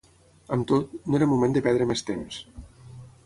Amb tot, no era moment de perdre més temps.